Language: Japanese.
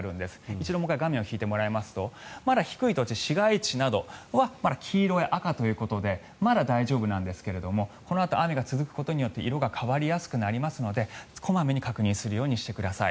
一度もう１回画面を引いてもらいますとまだ低い土地、市街地などは黄色や赤ということでまだ大丈夫なんですがこのあと、雨が続くことで色が変わりやすくなりますので小まめに確認するようにしてください。